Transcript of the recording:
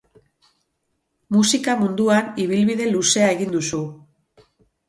Musika munduan ibilbide luzea egin duzu.